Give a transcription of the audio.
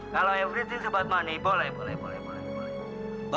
kalau everything sebat money boleh boleh boleh boleh